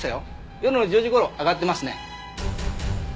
夜の１０時頃上がってますね。